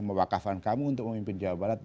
mewakafan kamu untuk memimpin jawa barat